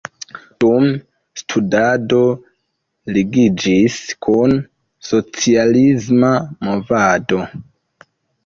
Dum studado ligiĝis kun socialisma movado.